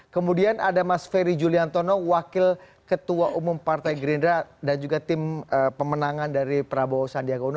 kemudian ada mas ferry juliantono wakil ketua umum partai gerindra dan juga tim pemenangan dari prabowo sandiaga uno